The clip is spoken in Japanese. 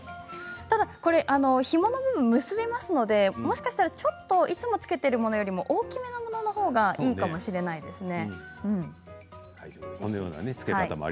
ただ、ひもの部分を結びますのでもしかしたらちょっといつも着けているものよりも大きめのもののほうがいいかもしれないですね。